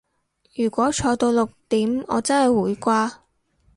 如果坐到六點我真係會瓜